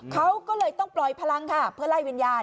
เขาก็เลยต้องปล่อยพลังค่ะเพื่อไล่วิญญาณ